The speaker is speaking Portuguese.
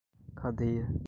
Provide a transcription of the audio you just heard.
cadeia